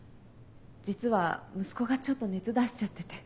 実は息子がちょっと熱出しちゃってて。